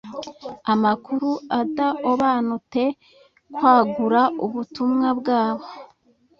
amakuru adaobanute kwagura ubutumwa bwabo